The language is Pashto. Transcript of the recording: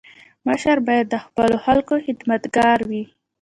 مشر باید د خپلو خلکو خدمتګار وي.